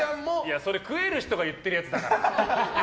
それ、食える人が言ってるやつだから。